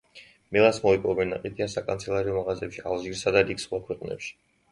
მელანს მოიპოვებენ და ყიდიან საკანცელარიო მაღაზიებში ალჟირსა და რიგ სხვა ქვეყანაში.